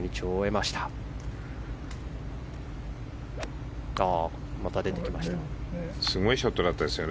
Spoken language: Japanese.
また出てきましたよ。